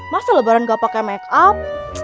masa lebaran gak pake makeup